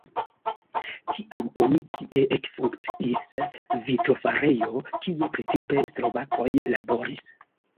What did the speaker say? Tiam oni tie ekfunkciis vitrofarejo, kie precipe slovakoj laboris.